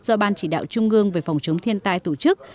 do ban chỉ đạo trung ương về phòng chống thiên tai tổ chức